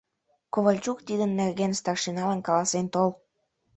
— Ковальчук, тидын нерген старшиналан каласен тол.